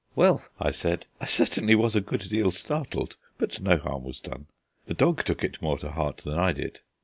"Well," I said, "I certainly was a good deal startled, but no harm was done. The dog took it more to heart than I did."